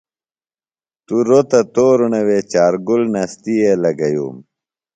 توروۡ تہ تورݨہ وے چار گُل نستیے لگئیوم۔